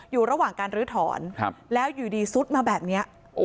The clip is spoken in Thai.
อยู่ระหว่างการลื้อถอนแล้วอยู่ดีซุดมาแบบนี้